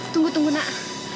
tunggu tunggu nak